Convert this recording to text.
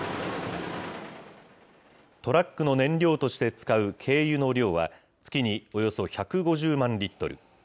トラックの燃料として使う軽油の量は、月におよそ１５０万リットル。